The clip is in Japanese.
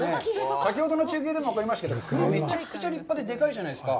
先ほどの中継でも分かりますけど、栗、めちゃくちゃ立派ででかいじゃないですか。